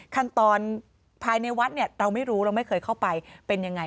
ขั้นตอนภายในวัดเนี่ยเราไม่รู้เราไม่เคยเข้าไปเป็นยังไง